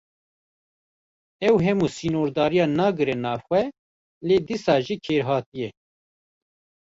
Ew hemû sînordariyan nagire nav xwe, lê dîsa jî kêrhatî ye.